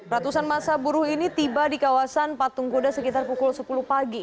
ratusan masa buruh ini tiba di kawasan patung kuda sekitar pukul sepuluh pagi